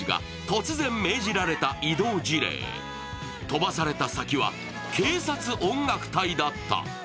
飛ばされた先は警察音楽隊だった。